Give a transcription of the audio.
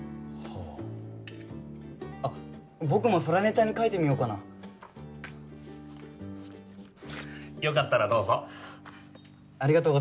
僕も空音ちゃんに書いてみようかなよかったらどうぞありがとう